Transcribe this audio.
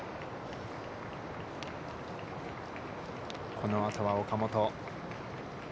このあとは岡本。